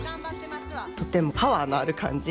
とてもパワーのある感じ。